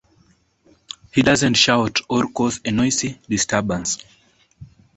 He doesn't shout or cause a noisy disturbance.